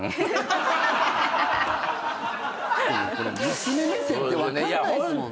でもこれ娘目線って分かんないですもんね。